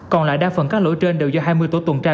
còn lại đa phần các lỗi trên đều do hai mươi tổ tuần tra